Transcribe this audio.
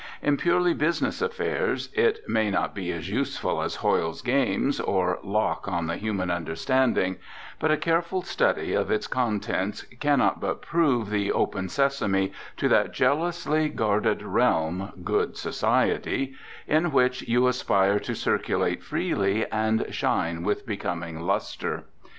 _ In purely business affairs, it may not be as useful as Hoyle's Games, or Locke on the Human Understanding, _but a careful study of its contents cannot but prove the "Open Sesame" to that jealously guarded realm, good society, in which you aspire to circulate freely and shine with becoming luster_.